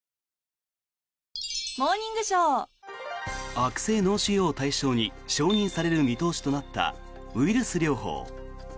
悪性脳腫瘍を対象に承認される見通しとなったウイルス療法。